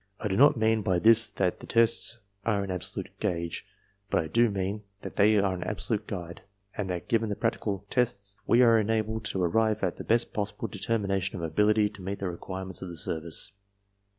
I do not mean by this that these tests are an absolute gauge, but I do mean that they are an absolute guide, and that given the practical tests we are enabled to arrive at the best possible determination of ability to meet the require ments of the service.